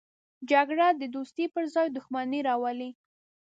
جګړه د دوستۍ پر ځای دښمني راولي